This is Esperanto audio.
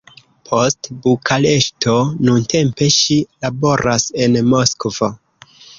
Post Bukareŝto, nuntempe ŝi laboras en Moskvo.